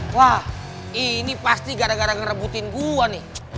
wah ini pasti gara gara ngerebutin gue nih